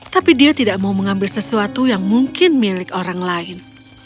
tapi dia tidak mau mengambil sesuatu yang mungkin milik orang lain